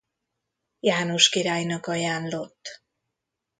János királynak ajánlott.